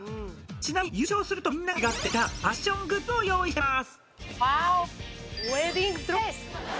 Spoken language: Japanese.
ちなみに優勝するとみんなが欲しがっていたファッショングッズを用意してます。